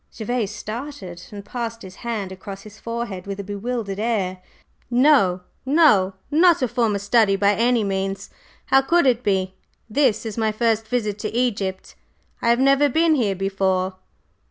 Gervase started, and passed his hand across his forehead with a bewildered air. "No, no! Not a former study, by any means. How could it be? This is my first visit to Egypt. I have never been here before."